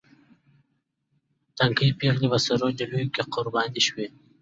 تنکۍ پېغلې په سرو ډولیو کې قرباني شوې دي.